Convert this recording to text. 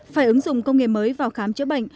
phải ứng dụng công nghệ mới vào khám chữa bệnh